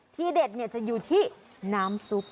ที่เด็ดจะอยู่ที่น้ำซุป